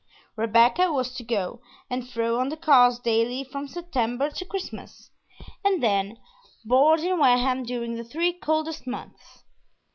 Rebecca was to go to and fro on the cars daily from September to Christmas, and then board in Wareham during the three coldest months.